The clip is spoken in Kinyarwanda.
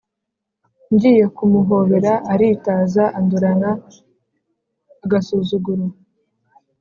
Ngiye kumuhobera aritaza andorana agasuzuguro